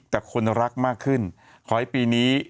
แต่คนรักมากขึ้นขอให้ปีนี้